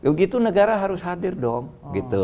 begitu negara harus hadir dong